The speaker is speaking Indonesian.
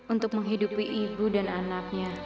untuk menghidupi ibu dan anaknya